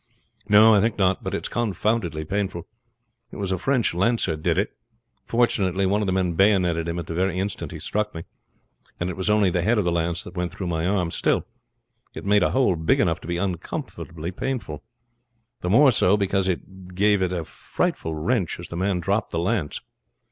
"No, I think not; but it's confoundedly painful. It was a French lancer did it. Fortunately one of the men bayoneted him at the very instant he struck me, and it was only the head of the lance that went through my arm. Still, it made a hole big enough to be uncommonly painful; the more so because it gave it a frightful wrench as the man dropped the lance.